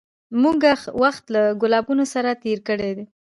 موږه وخت له ګلابونو سره تېر دی